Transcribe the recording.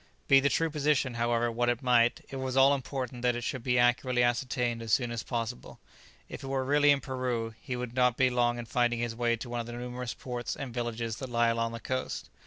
Be the true position, however, what it might, it was all important that it should be accurately ascertained as soon as possible. If it were really in Peru, he would not be long in finding his way to one of the numerous ports and villages that lie along the coast.